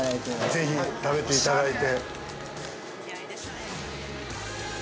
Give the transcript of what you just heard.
◆ぜひ食べていただいて。